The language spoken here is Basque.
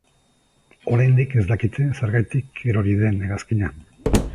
Oraindik ez dakite zergaitik erori den hegazkina.